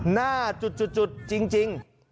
หน้าจุดจุดจริง